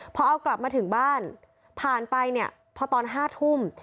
พอเอากลับมาถึงบ้านผ่านไปเนี่ยพอตอน๕ทุ่ม